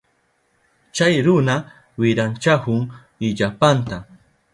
Chay runa wiranchahun illapanta.